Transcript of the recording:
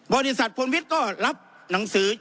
บริษัทพลวิทย์ก็รับหนังสือ